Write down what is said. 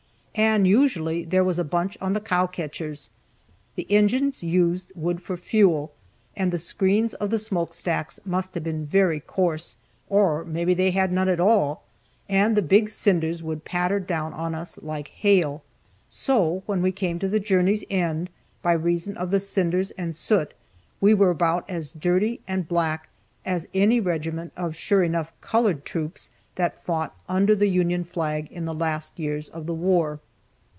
And usually there was a bunch on the cow catchers. The engines used wood for fuel; the screens of the smoke stacks must have been very coarse, or maybe they had none at all, and the big cinders would patter down on us like hail. So, when we came to the journey's end, by reason of the cinders and soot we were about as dirty and black as any regiment of sure enough colored troops that fought under the Union flag in the last years of the war.